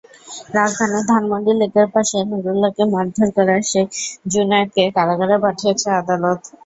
রাজধানীর ধানমন্ডি লেকের পাশে নুরুল্লাহকে মারধর করা সেই জুনায়েদকে কারাগারে পাঠিয়েছেন আদালত।